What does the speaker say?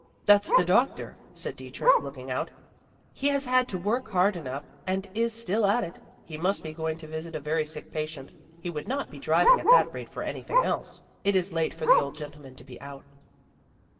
"That's the doctor," said Dietrich, looking out; "he has had to work hard enough and is still at it. He must be going to visit a very sick patient; he would not be driving at that rate for anything else. It is late for the old gentleman to be out."